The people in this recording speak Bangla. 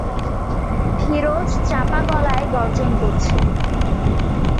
ফিরোজ চাপা গলায় গর্জন করছে।